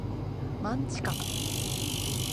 マンチカン